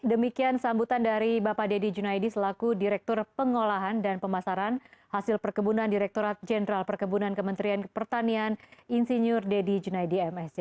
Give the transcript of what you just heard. demikian sambutan dari bapak deddy junaidi selaku direktur pengolahan dan pemasaran hasil perkebunan direkturat jenderal perkebunan kementerian pertanian insinyur deddy junaidi msc